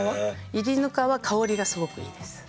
炒りぬかは香りがすごくいいです。